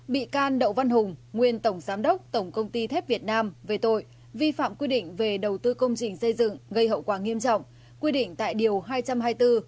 bị can đậu văn hùng nguyên tổng giám đốc tổng công ty thép việt nam về tội vi phạm quy định về đầu tư công trình xây dựng gây hậu quả nghiêm trọng quy định tại điều hai trăm hai mươi bốn